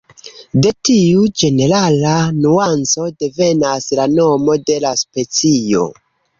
De tiu ĝenerala nuanco devenas la nomo de la specio.